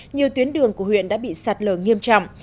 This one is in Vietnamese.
nhiều tuyến đường của huyện đã bị sạt lở nghiêm trọng